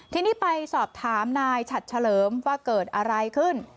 ทีนี้ไปสอบถามนายฉัดเฉลิมว่าเกิดอะไรขึ้น